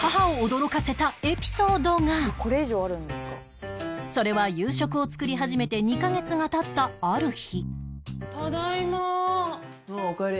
実はそれは夕食を作り始めて２カ月が経ったある日おかえり。